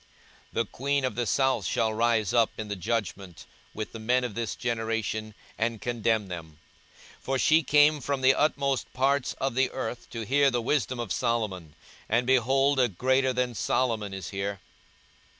42:011:031 The queen of the south shall rise up in the judgment with the men of this generation, and condemn them: for she came from the utmost parts of the earth to hear the wisdom of Solomon; and, behold, a greater than Solomon is here.